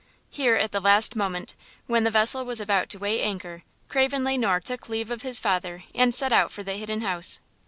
Here, at the last moment, when the vessel was about to weigh anchor, Craven Le Noir took leave of his father and set out for the Hidden House.